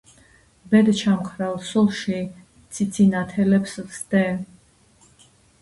ბედჩამქრალ სულში ციცინათელებს ვსდე